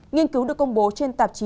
nghiên cứu được công bố trên tạp chí